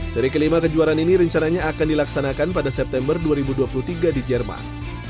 seri kelima kejuaraan ini rencananya akan dilaksanakan pada september dua ribu dua puluh tiga di jerman